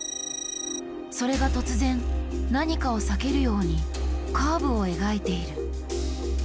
それが突然何かを避けるようにカーブを描いている。